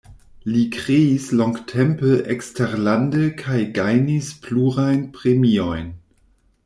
Li kreis longtempe eksterlande kaj gajnis plurajn premiojn.